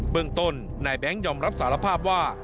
เมืองต้นนายแบงค์ยอมรับสารภาพว่า